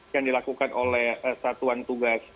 yang dilakukan oleh satuan tugas